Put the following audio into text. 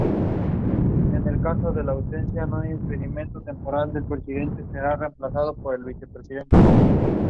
He had three marriages.